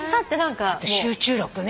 集中力ね